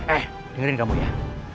eh dengerin kamu ya